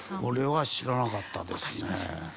これは知らなかったですね。